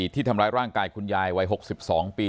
ที่ทำร้ายร่างกายคุณยายวัย๖๒ปี